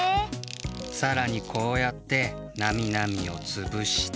さらにこうやってなみなみをつぶして。